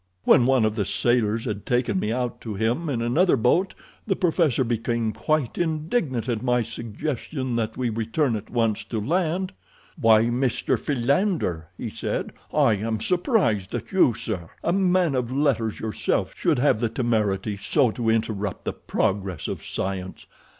"When one of the sailors had taken me out to him in another boat the professor became quite indignant at my suggestion that we return at once to land. 'Why, Mr. Philander,' he said, 'I am surprised that you, sir, a man of letters yourself, should have the temerity so to interrupt the progress of science.